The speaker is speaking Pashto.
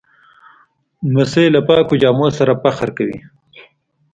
لمسی له پاکو جامو سره فخر کوي.